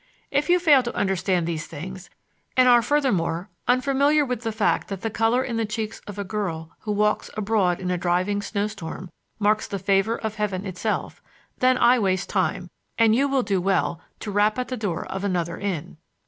If you fail to understand these things, and are furthermore unfamiliar with the fact that the color in the cheeks of a girl who walks abroad in a driving snow storm marks the favor of Heaven itself, then I waste time, and you will do well to rap at the door of another inn.